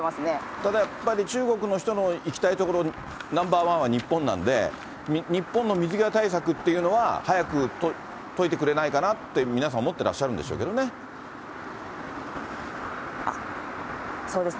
ただやっぱり、中国の人の行きたい所ナンバー１は日本なんで、日本の水際対策っていうのは、早く解いてくれないかなって皆さん思ってらっしゃるんでしょうけそうですね。